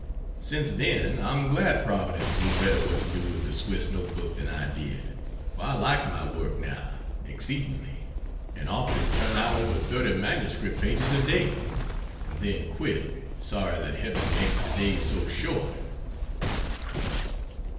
Since then I'm glad Providence knew better what to do with the Swiss note book than I did, for I like my work, now, exceedingly, and often turn out over 30 MS pages a day and then quit sorry that Heaven makes the days so short.